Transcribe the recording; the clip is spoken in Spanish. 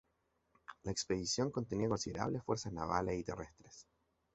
La expedición contenía considerables fuerzas navales y terrestres.